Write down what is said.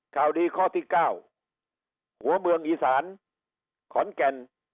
ข่าวดีข้อที่๙หัวเมืองอีสานขอนแก่น